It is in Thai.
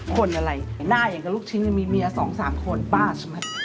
คนอะไรหน้าอย่างกับลูกชิ้นมีเมีย๒๓คนบ้าใช่ไหม